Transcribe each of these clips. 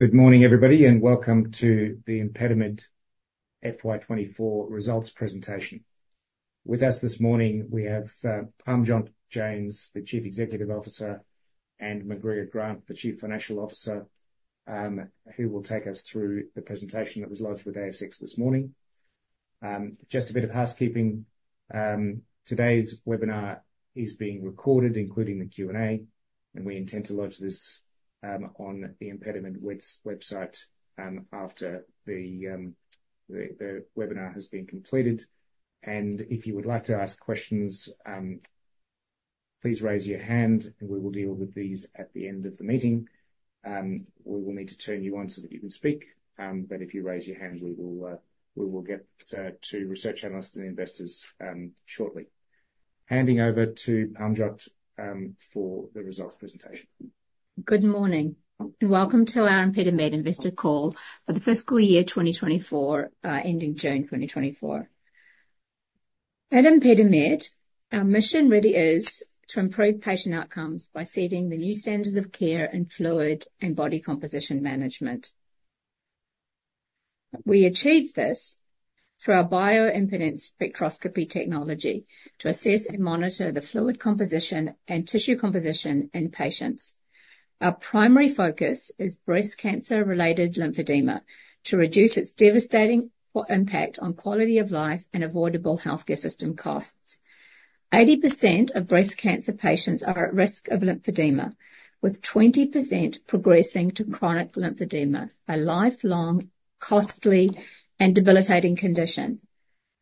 Good morning, everybody, and welcome to the ImpediMed FY 2024 results presentation. With us this morning, we have Parmjot Bains, the Chief Executive Officer, and MacGregor Grant, the Chief Financial Officer, who will take us through the presentation that was lodged with ASX this morning. Just a bit of housekeeping. Today's webinar is being recorded, including the Q&A, and we intend to lodge this on the ImpediMed website after the webinar has been completed. And if you would like to ask questions, please raise your hand, and we will deal with these at the end of the meeting. We will need to turn you on so that you can speak, but if you raise your hand, we will get to research analysts and investors shortly. Handing over to Parmjot Bains for the results presentation. Good morning, and welcome to our ImpediMed investor call for the fiscal year 2024, ending June 2024. At ImpediMed, our mission really is to improve patient outcomes by setting the new standards of care in fluid and body composition management. We achieve this through our bioimpedance spectroscopy technology to assess and monitor the fluid composition and tissue composition in patients. Our primary focus is breast cancer-related lymphedema, to reduce its devastating impact on quality of life and avoidable healthcare system costs. 80% of breast cancer patients are at risk of lymphedema, with 20% progressing to chronic lymphedema, a lifelong, costly, and debilitating condition.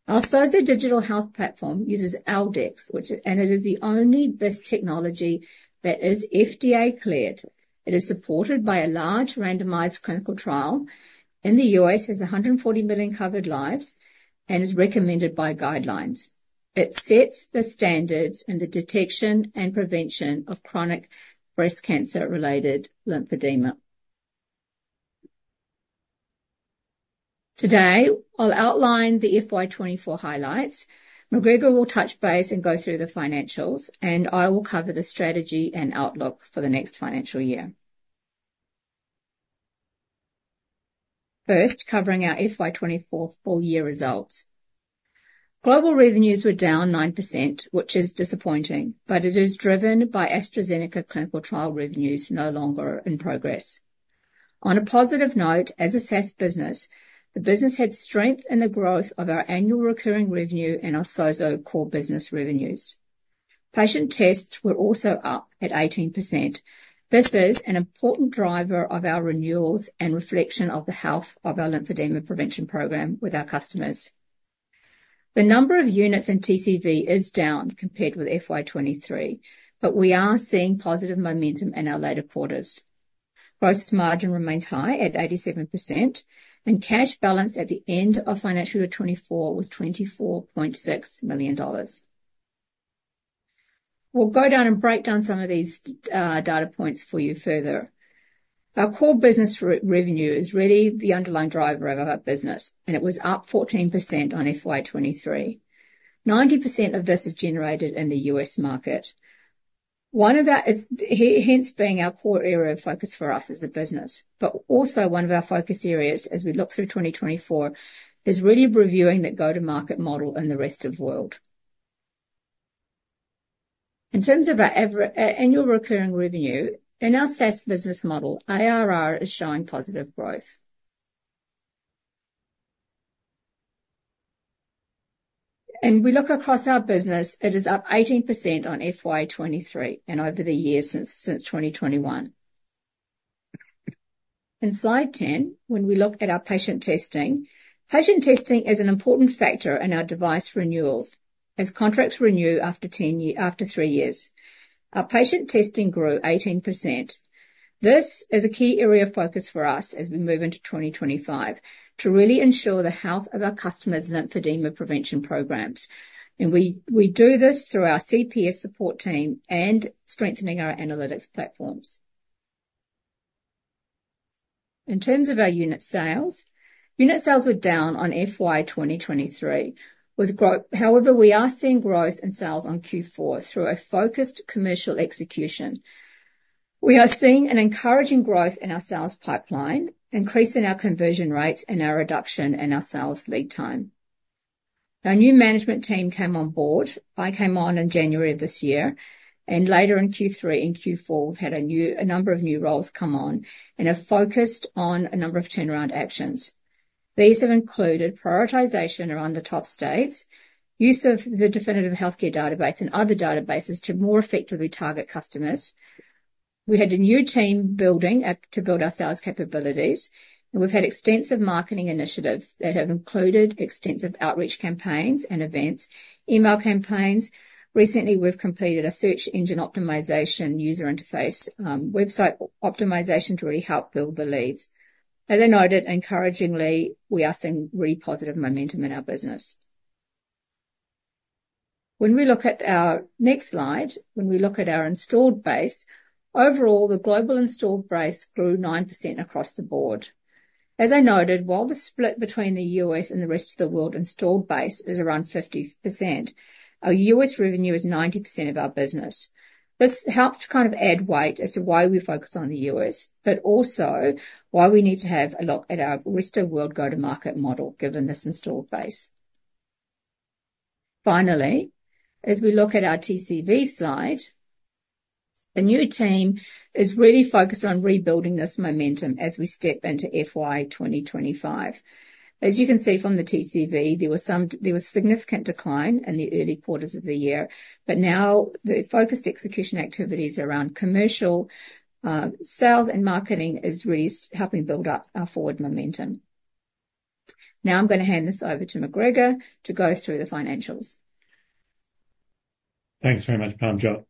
Our SOZO Digital Health platform uses L-Dex, which – and it is the only BIS technology that is FDA-cleared. It is supported by a large randomized clinical trial in the U.S., has 140 million covered lives, and is recommended by guidelines. It sets the standards in the detection and prevention of chronic breast cancer-related lymphedema. Today, I'll outline the FY 2024 highlights. MacGregor will touch base and go through the financials, and I will cover the strategy and outlook for the next financial year. First, covering our FY 2024 full year results. Global revenues were down 9%, which is disappointing, but it is driven by AstraZeneca clinical trial revenues no longer in progress. On a positive note, as a SaaS business, the business had strength in the growth of our annual recurring revenue and our SOZO core business revenues. Patient tests were also up at 18%. This is an important driver of our renewals and reflection of the health of our lymphedema prevention program with our customers. The number of units in TCV is down compared with FY 2023, but we are seeing positive momentum in our later quarters. Gross margin remains high at 87%, and cash balance at the end of financial year 2024 was $24.6 million. We'll go down and break down some of these data points for you further. Our core business revenue is really the underlying driver of our business, and it was up 14% on FY 2023. Ninety percent of this is generated in the U.S. market. One of our hence being our core area of focus for us as a business, but also one of our focus areas as we look through 2024, is really reviewing the go-to-market model in the rest of the world. In terms of our annual recurring revenue, in our SaaS business model, ARR is showing positive growth. We look across our business, it is up 18% on FY 2023 and over the years since 2021. In slide 10, when we look at our patient testing, patient testing is an important factor in our device renewals, as contracts renew after three years. Our patient testing grew 18%. This is a key area of focus for us as we move into 2025, to really ensure the health of our customers' lymphedema prevention programs, and we do this through our CPS support team and strengthening our analytics platforms. In terms of our unit sales, unit sales were down on FY 2023. However, we are seeing growth in sales on Q4 through a focused commercial execution. We are seeing an encouraging growth in our sales pipeline, increase in our conversion rates, and a reduction in our sales lead time. Our new management team came on board. I came on in January of this year, and later in Q3 and Q4, we've had a number of new roles come on and have focused on a number of turnaround actions. These have included prioritization around the top states, use of the Definitive Healthcare database and other databases to more effectively target customers. We had a new team building to build our sales capabilities, and we've had extensive marketing initiatives that have included extensive outreach campaigns and events, email campaigns. Recently, we've completed a search engine optimization, user interface, website optimization to really help build the leads. As I noted, encouragingly, we are seeing really positive momentum in our business. When we look at our next slide, when we look at our installed base, overall, the global installed base grew 9% across the board. As I noted, while the split between the U.S. and the rest of the world installed base is around 50%, our U.S. revenue is 90% of our business. This helps to kind of add weight as to why we focus on the US, but also why we need to have a look at our rest of world go-to-market model, given this installed base. Finally, as we look at our TCV slide, the new team is really focused on rebuilding this momentum as we step into FY 2025. As you can see from the TCV, there was significant decline in the early quarters of the year, but now the focused execution activities around commercial, sales and marketing is really helping build up our forward momentum. Now I'm going to hand this over to MacGregor to go through the financials. Thanks very much, Parmjot.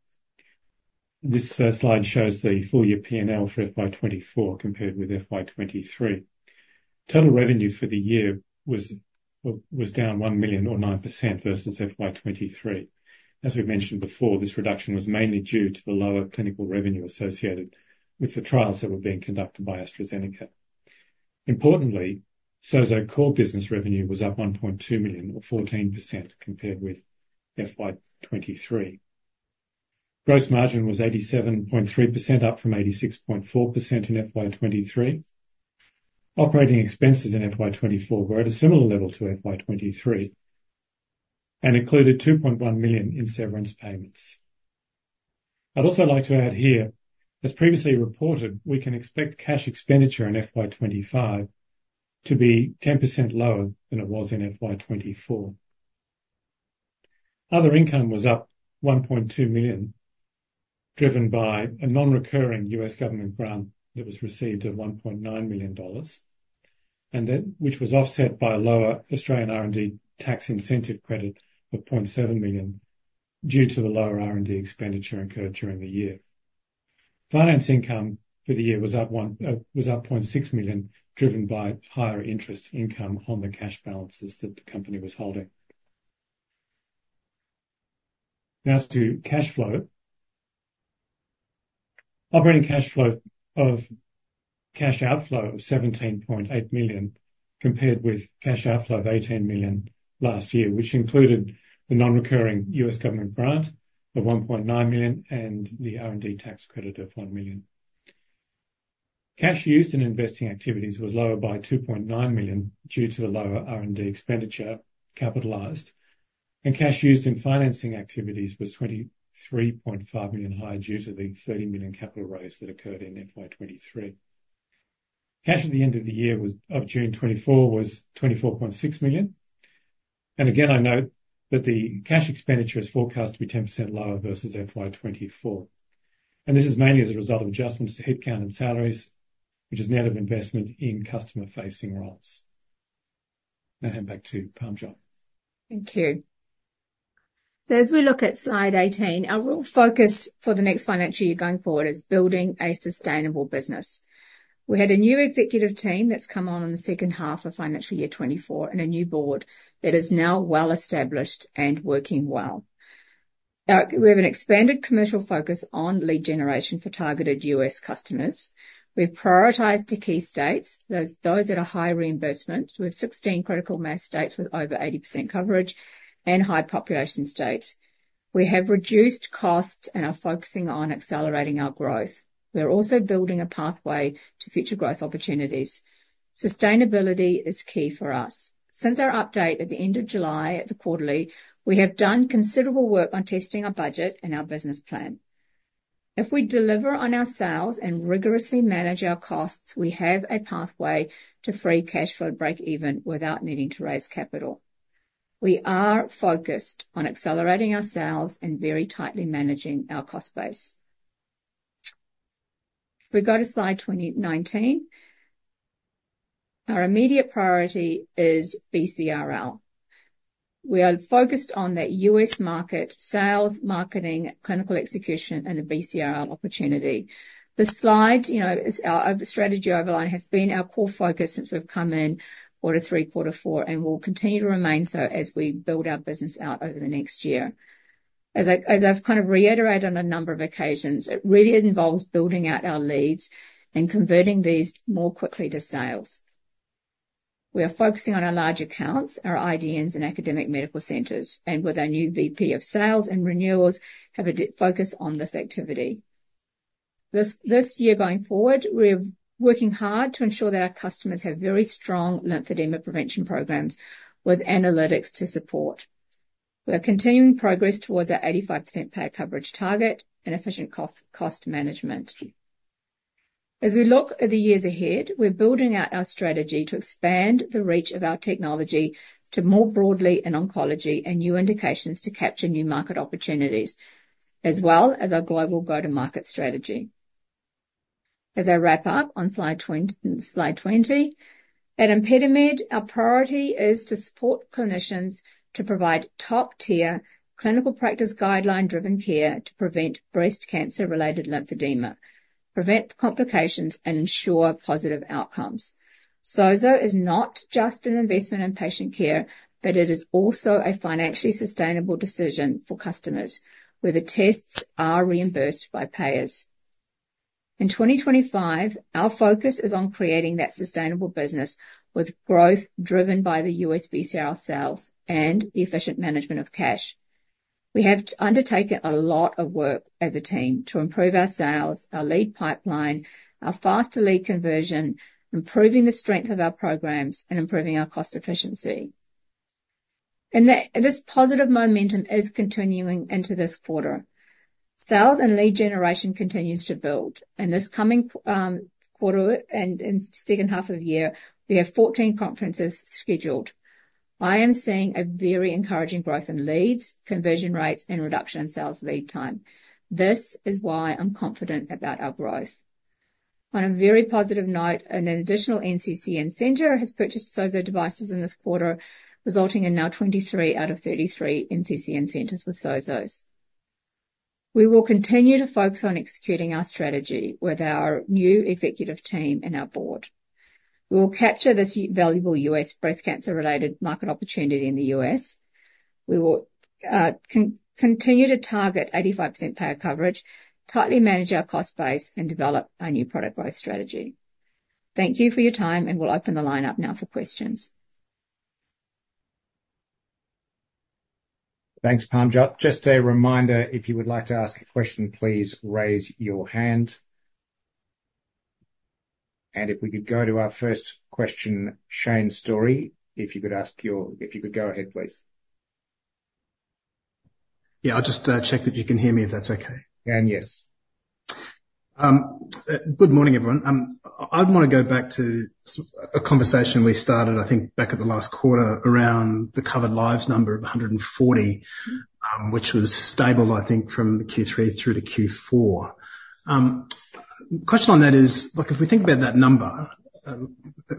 This slide shows the full year P&L for FY 2024 compared with FY 2023. Total revenue for the year was down $1 million or 9% versus FY 2023. As we've mentioned before, this reduction was mainly due to the lower clinical revenue associated with the trials that were being conducted by AstraZeneca. Importantly, SOZO core business revenue was up $1.2 million or 14% compared with FY 2023. Gross margin was 87.3%, up from 86.4% in FY 2023. Operating expenses in FY 2024 were at a similar level to FY 2023 and included $2.1 million in severance payments. I'd also like to add here, as previously reported, we can expect cash expenditure in FY 2025 to be 10% lower than it was in FY 2024. Other income was up $1.2 million, driven by a non-recurring U.S. government grant that was received of $1.9 million, which was offset by a lower Australian R&D tax incentive credit of 0.7 million due to the lower R&D expenditure incurred during the year. Finance income for the year was up 0.6 million, driven by higher interest income on the cash balances that the company was holding. Now to cash flow. Operating cash flow of cash outflow of $17.8 million, compared with cash outflow of $18 million last year, which included the non-recurring U.S. government grant of $1.9 million and the R&D tax credit of 1 million. Cash used in investing activities was lower by 2.9 million due to the lower R&D expenditure capitalized, and cash used in financing activities was 23.5 million higher due to the 30 million capital raise that occurred in FY 2023. Cash at the end of the year as of June 2024 was 24.6 million, and again, I note that the cash expenditure is forecast to be 10% lower versus FY 2024, and this is mainly as a result of adjustments to headcount and salaries, which is net of investment in customer-facing roles. Now back to Parmjot. Thank you. So as we look at slide 18, our real focus for the next financial year going forward is building a sustainable business. We had a new executive team that's come on in the second half of financial year 2024, and a new board that is now well-established and working well. We have an expanded commercial focus on lead generation for targeted U.S. customers. We've prioritized the key states, those that are high reimbursement. We have 16 critical mass states with over 80% coverage and high population states. We have reduced costs and are focusing on accelerating our growth. We are also building a pathway to future growth opportunities. Sustainability is key for us. Since our update at the end of July at the quarterly, we have done considerable work on testing our budget and our business plan. If we deliver on our sales and rigorously manage our costs, we have a pathway to free cash flow break even without needing to raise capital. We are focused on accelerating our sales and very tightly managing our cost base. If we go to slide 19, our immediate priority is BCRL. We are focused on that U.S. market, sales, marketing, clinical execution, and the BCRL opportunity. The slide, you know, is our overall strategy has been our core focus since we've come in quarter three, quarter four, and will continue to remain so as we build our business out over the next year. As I've kind of reiterated on a number of occasions, it really involves building out our leads and converting these more quickly to sales. We are focusing on our large accounts, our IDNs, and academic medical centers, and with our new VP of sales and renewals, have a deep focus on this activity. This year going forward, we're working hard to ensure that our customers have very strong lymphedema prevention programs with analytics to support. We are continuing progress towards our 85% payer coverage target and efficient cost management. As we look at the years ahead, we're building out our strategy to expand the reach of our technology to more broadly in oncology and new indications to capture new market opportunities, as well as our global go-to-market strategy. As I wrap up on slide twenty, at ImpediMed, our priority is to support clinicians to provide top-tier clinical practice, guideline-driven care to prevent breast cancer-related lymphedema, prevent complications, and ensure positive outcomes. SOZO is not just an investment in patient care, but it is also a financially sustainable decision for customers where the tests are reimbursed by payers. In 2025, our focus is on creating that sustainable business, with growth driven by the U.S. BCRL sales and the efficient management of cash. We have undertaken a lot of work as a team to improve our sales, our lead pipeline, our faster lead conversion, improving the strength of our programs, and improving our cost efficiency. And that this positive momentum is continuing into this quarter. Sales and lead generation continues to build, and this coming quarter and second half of the year, we have 14 conferences scheduled. I am seeing a very encouraging growth in leads, conversion rates, and reduction in sales lead time. This is why I'm confident about our growth. On a very positive note, an additional NCCN center has purchased SOZO devices in this quarter, resulting in now 23 out of 33 NCCN centers with SOZOs. We will continue to focus on executing our strategy with our new executive team and our board. We will capture this valuable US breast cancer-related market opportunity in the US. We will continue to target 85% payer coverage, tightly manage our cost base, and develop our new product growth strategy. Thank you for your time, and we'll open the line up now for questions. Thanks, Parmjot. Just a reminder, if you would like to ask a question, please raise your hand. And if we could go to our first question, Shane Storey. If you could go ahead, please. Yeah, I'll just check that you can hear me, if that's okay? Shane, yes. Good morning, everyone. I'd want to go back to a conversation we started, I think, back at the last quarter, around the covered lives number of 140, which was stable, I think, from Q3 through to Q4. Question on that is, like, if we think about that number,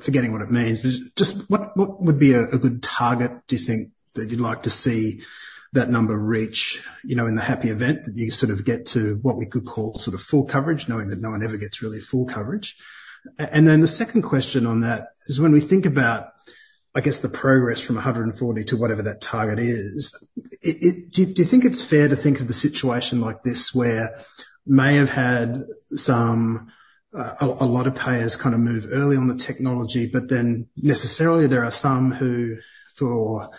forgetting what it means, but just what would be a good target, do you think, that you'd like to see that number reach, you know, in the happy event that you sort of get to what we could call sort of full coverage, knowing that no one ever gets really full coverage? And then the second question on that is, when we think about, I guess, the progress from 140 to whatever that target is, it, it... Do you think it's fair to think of the situation like this, where we may have had some, a lot of payers kind of move early on the technology, but then necessarily there are some who, for, let's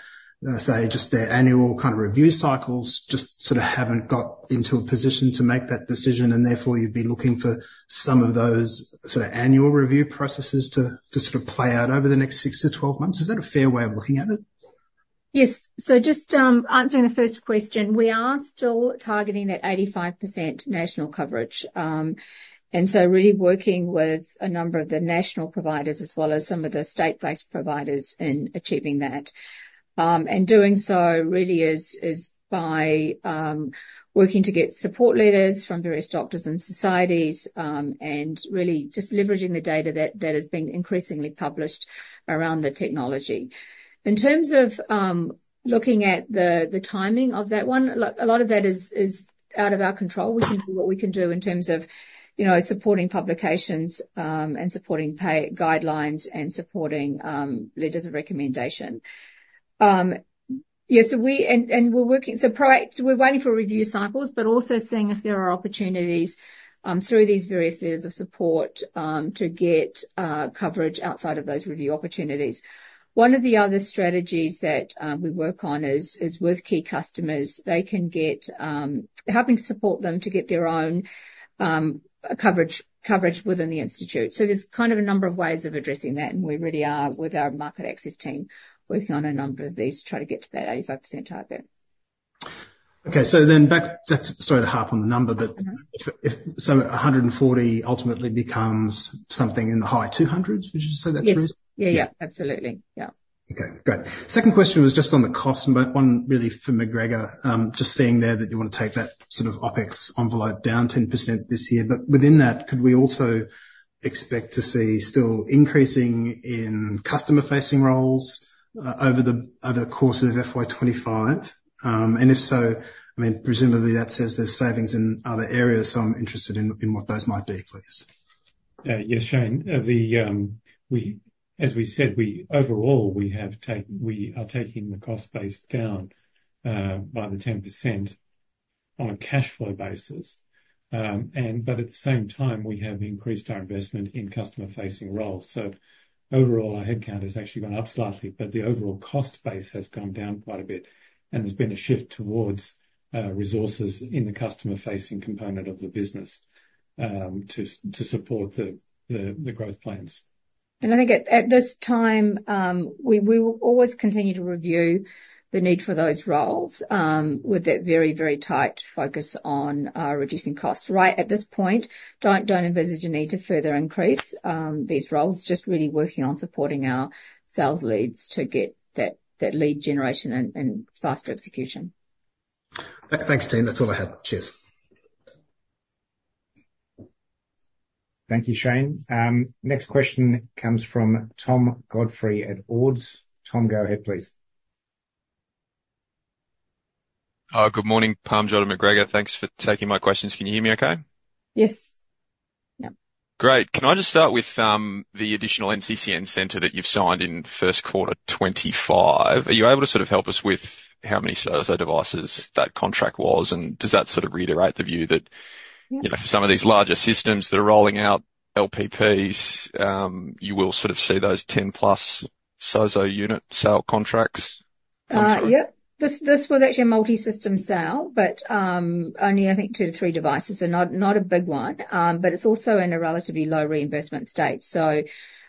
say, just their annual kind of review cycles, just sort of haven't got into a position to make that decision, and therefore you'd be looking for some of those sort of annual review processes to sort of play out over the next six to 12 months? Is that a fair way of looking at it? Yes. So just answering the first question, we are still targeting that 85% national coverage, and so really working with a number of the national providers, as well as some of the state-based providers in achieving that, and doing so really is by working to get support letters from various doctors and societies, and really just leveraging the data that has been increasingly published around the technology. In terms of looking at the timing of that one, a lot of that is out of our control. We can do what we can do in terms of, you know, supporting publications, and supporting payer guidelines and supporting letters of recommendation. Yeah, so we... We're working, so we're waiting for review cycles, but also seeing if there are opportunities through these various letters of support to get coverage outside of those review opportunities. One of the other strategies that we work on is with key customers. They can get helping to support them to get their own coverage within the institute. So there's kind of a number of ways of addressing that, and we really are with our market access team working on a number of these to try to get to that 85% target. Okay. So then back, sorry to harp on the number, but- Mm-hmm. If so, a 140 ultimately becomes something in the high two hundreds, would you say that's true? Yes. Yeah, yeah. Absolutely. Yeah. Okay, great. Second question was just on the cost, but one really for McGregor. Just seeing there that you want to take that sort of OpEx envelope down 10% this year, but within that, could we also expect to see still increasing in customer-facing roles over the course of FY 2025? And if so, I mean, presumably that says there's savings in other areas, so I'm interested in what those might be, please. Yes, Shane. As we said, overall, we are taking the cost base down by 10% on a cash flow basis. And but at the same time, we have increased our investment in customer-facing roles. So overall, our headcount has actually gone up slightly, but the overall cost base has gone down quite a bit, and there's been a shift towards resources in the customer-facing component of the business to support the growth plans. And I think at this time, we will always continue to review the need for those roles, with a very, very tight focus on reducing costs. Right at this point, don't envisage a need to further increase these roles, just really working on supporting our sales leads to get that lead generation and faster execution. Thanks, team. That's all I had. Cheers. Thank you, Shane. Next question comes from Tom Godfrey at Ord Minnett. Tom, go ahead, please. Good morning, Parmjot and MacGregor. Thanks for taking my questions. Can you hear me okay? Yes. Yeah.... Great! Can I just start with the additional NCCN center that you've signed in the first quarter, 2025? Are you able to sort of help us with how many SOZO devices that contract was, and does that sort of reiterate the view that, Yeah. You know, for some of these larger systems that are rolling out LPPs, you will sort of see those ten plus SOZO unit sale contracts come through? Yep. This was actually a multi-system sale, but only I think two to three devices, so not a big one. But it's also in a relatively low reimbursement state, so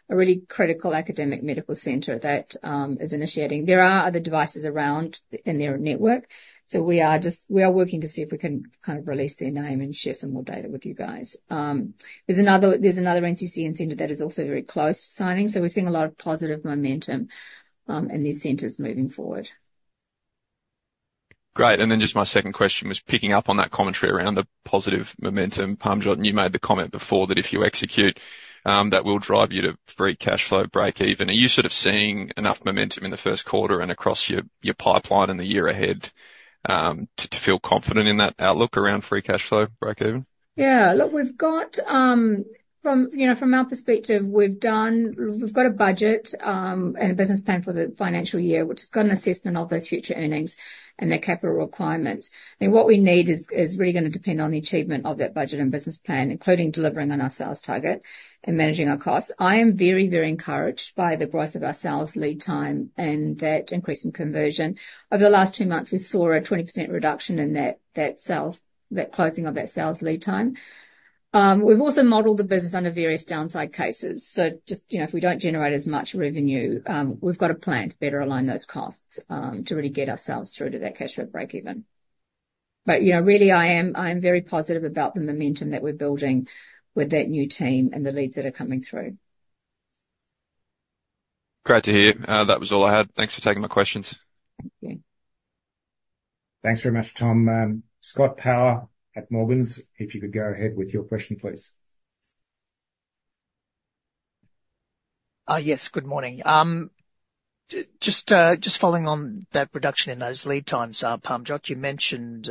a really critical academic medical center that is initiating. There are other devices around in their network, so we are working to see if we can kind of release their name and share some more data with you guys. There's another NCCN center that is also very close to signing, so we're seeing a lot of positive momentum in these centers moving forward. Great. And then just my second question was picking up on that commentary around the positive momentum. Parmjot, you made the comment before that if you execute, that will drive you to Free Cash Flow Break Even. Are you sort of seeing enough momentum in the first quarter and across your pipeline in the year ahead, to feel confident in that outlook around Free Cash Flow Break Even? Yeah. Look, we've got. From, you know, from our perspective, we've got a budget and a business plan for the financial year, which has got an assessment of those future earnings and their capital requirements. And what we need is really gonna depend on the achievement of that budget and business plan, including delivering on our sales target and managing our costs. I am very, very encouraged by the growth of our sales lead time and that increase in conversion. Over the last two months, we saw a 20% reduction in that closing of that sales lead time. We've also modeled the business under various downside cases. So just, you know, if we don't generate as much revenue, we've got a plan to better align those costs to really get ourselves through to that cash flow break even. But, you know, really, I am very positive about the momentum that we're building with that new team and the leads that are coming through. Great to hear. That was all I had. Thanks for taking my questions. Thank you. Thanks very much, Tom. Scott Power at Morgans, if you could go ahead with your question, please. Yes, good morning. Just following on that reduction in those lead times, Parmjot, you mentioned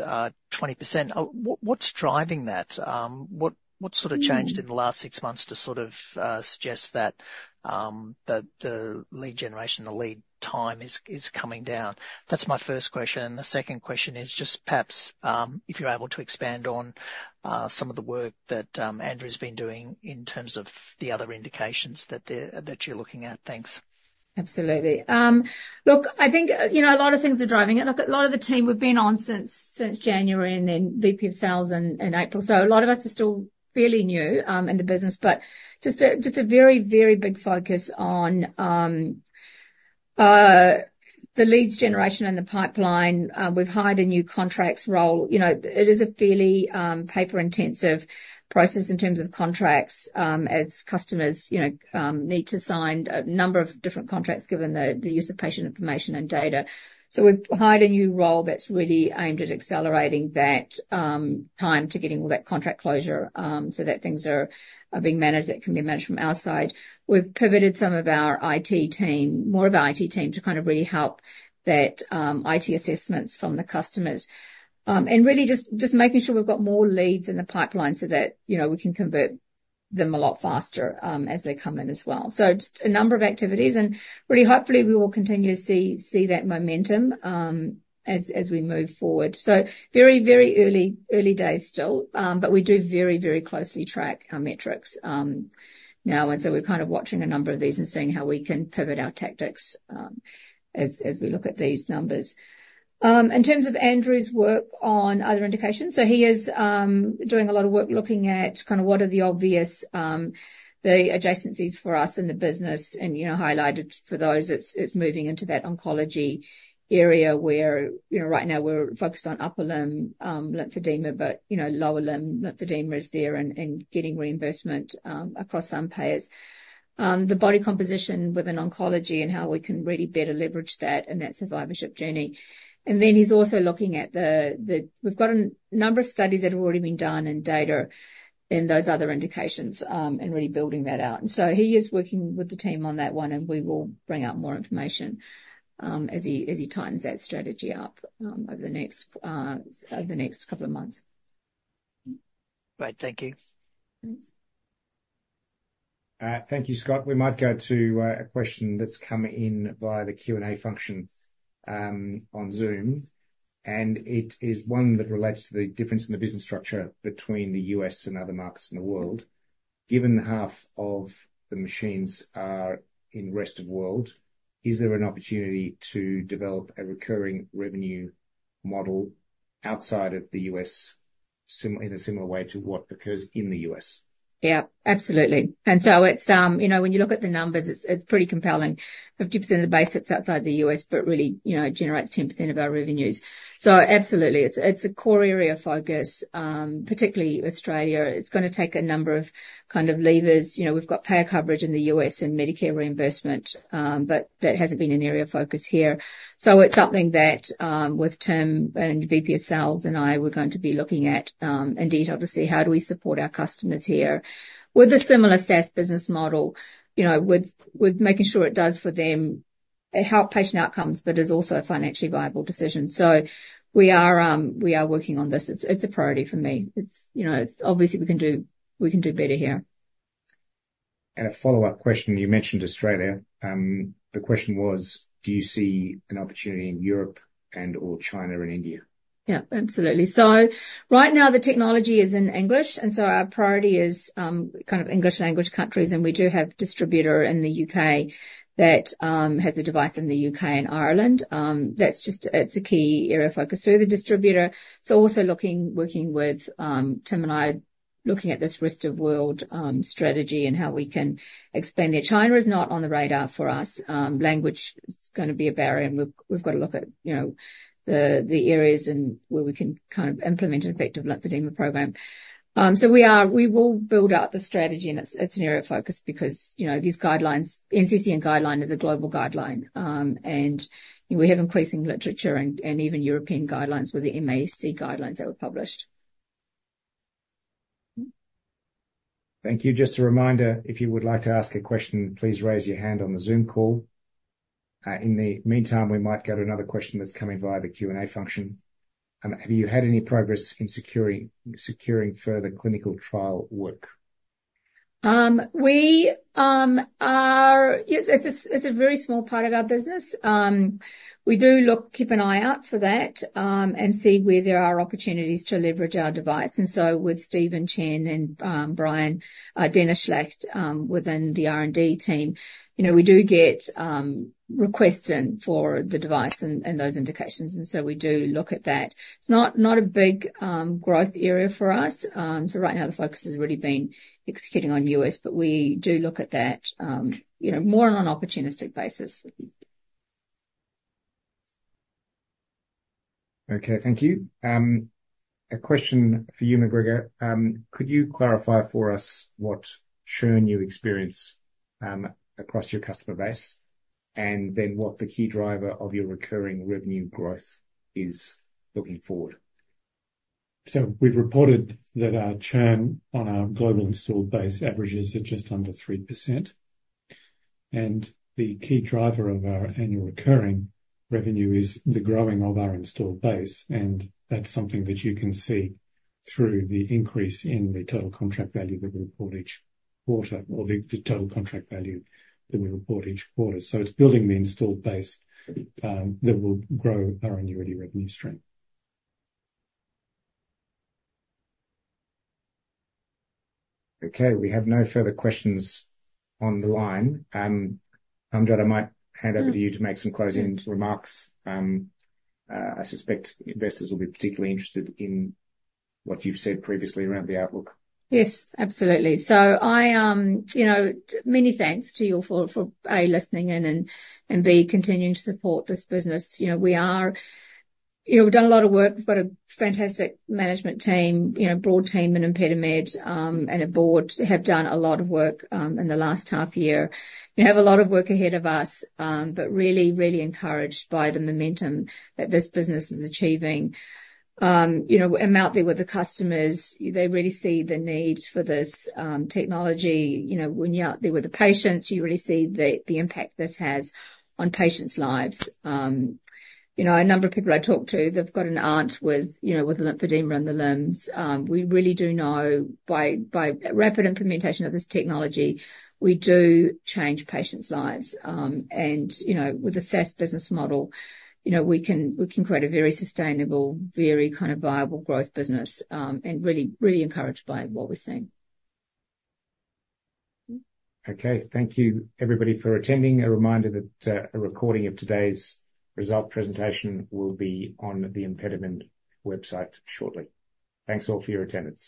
20%. What's driving that? What sort of- Mm-hmm Changed in the last six months to sort of suggest that the lead generation, the lead time is coming down? That's my first question. And the second question is just perhaps if you're able to expand on some of the work that Andrew's been doing in terms of the other indications that you're looking at. Thanks. Absolutely. Look, I think, you know, a lot of things are driving it. Look, a lot of the team we've been on since January, and then VP of Sales in April. So a lot of us are still fairly new in the business, but just a very, very big focus on the leads generation and the pipeline. We've hired a new contracts role. You know, it is a fairly paper-intensive process in terms of contracts as customers, you know, need to sign a number of different contracts given the use of patient information and data. So we've hired a new role that's really aimed at accelerating that time to getting all that contract closure so that things are being managed, that can be managed from our side. We've pivoted some of our IT team, more of our IT team, to kind of really help that, IT assessments from the customers. Really just making sure we've got more leads in the pipeline so that, you know, we can convert them a lot faster, as they come in as well. Just a number of activities, and really, hopefully, we will continue to see that momentum, as we move forward. Very early days still, but we do very closely track our metrics now, and so we're kind of watching a number of these and seeing how we can pivot our tactics, as we look at these numbers. In terms of Andrew's work on other indications, so he is doing a lot of work looking at kind of what are the obvious adjacencies for us in the business, and, you know, highlighted for those, it's moving into that oncology area where, you know, right now we're focused on upper limb lymphedema, but, you know, lower limb lymphedema is there and getting reimbursement across some payers. The body composition within oncology and how we can really better leverage that in that survivorship journey, and then he's also looking at the, we've got a number of studies that have already been done and data in those other indications, and really building that out. And so he is working with the team on that one, and we will bring out more information as he tightens that strategy up over the next couple of months. Great. Thank you. Thanks. Thank you, Scott. We might go to a question that's come in via the Q&A function on Zoom, and it is one that relates to the difference in the business structure between the US and other markets in the world. Given half of the machines are in rest of world, is there an opportunity to develop a recurring revenue model outside of the US in a similar way to what occurs in the US? Yeah, absolutely. So it's, you know, when you look at the numbers, it's pretty compelling. 50% of the base sits outside the U.S., but really, you know, it generates 10% of our revenues. So absolutely, it's a core area of focus, particularly Australia. It's gonna take a number of kind of levers. You know, we've got payer coverage in the U.S. and Medicare reimbursement, but that hasn't been an area of focus here. So it's something that, with Tim and VP of Sales and I, we're going to be looking at in detail to see how do we support our customers here with a similar SaaS business model, you know, with making sure it does for them. It helps patient outcomes, but is also a financially viable decision. So we are working on this. It's a priority for me. You know, it's obvious we can do better here. A follow-up question. You mentioned Australia. The question was: do you see an opportunity in Europe and/or China and India? Yeah, absolutely. So right now the technology is in English, and so our priority is kind of English language countries, and we do have distributor in the U.K. that has a device in the U.K. and Ireland. That's just, it's a key area of focus through the distributor. So also looking, working with Tim and I, looking at this rest of world strategy and how we can expand it. China is not on the radar for us. Language is gonna be a barrier, and we've, we've got to look at, you know, the areas and where we can kind of implement an effective lymphedema program. So we are, we will build out the strategy, and it's an area of focus because, you know, these guidelines, NCCN guideline is a global guideline. We have increasing literature and even European guidelines were the MASCC guidelines that were published. Thank you. Just a reminder, if you would like to ask a question, please raise your hand on the Zoom call. In the meantime, we might go to another question that's coming via the Q&A function. Have you had any progress in securing further clinical trial work? Yes, it's a very small part of our business. We do look, keep an eye out for that, and see where there are opportunities to leverage our device, and so with Steven Chen and Dennis Schlaht within the R&D team, you know, we do get requests in for the device and those indications, and so we do look at that. It's not a big growth area for us, so right now the focus has really been executing on US, but we do look at that, you know, more on an opportunistic basis. Okay, thank you. A question for you, McGregor. Could you clarify for us what churn you experience across your customer base? And then what the key driver of your recurring revenue growth is looking forward? So we've reported that our churn on our global installed base averages at just under 3%, and the key driver of our annual recurring revenue is the growing of our installed base, and that's something that you can see through the increase in the total contract value that we report each quarter, or the total contract value that we report each quarter. So it's building the installed base that will grow our annuity revenue stream. Okay, we have no further questions on the line. Andrew, I might hand over to you to make some closing remarks. I suspect investors will be particularly interested in what you've said previously around the outlook. Yes, absolutely. So I, you know, many thanks to you all for A, listening in, and B, continuing to support this business. You know, we've done a lot of work. We've got a fantastic management team, you know, broad team in ImpediMed, and a board have done a lot of work in the last half year. We have a lot of work ahead of us, but really, really encouraged by the momentum that this business is achieving. You know, and out there with the customers, they really see the need for this technology. You know, when you're out there with the patients, you really see the impact this has on patients' lives. You know, a number of people I talk to, they've got an aunt with, you know, lymphedema in the limbs. We really do know by rapid implementation of this technology, we do change patients' lives. And, you know, with the SaaS business model, you know, we can create a very sustainable, very kind of viable growth business, and really, really encouraged by what we're seeing. Okay. Thank you, everybody, for attending. A reminder that a recording of today's result presentation will be on the ImpediMed website shortly. Thanks, all, for your attendance.